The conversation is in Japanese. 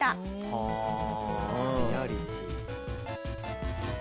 はあリアリティー。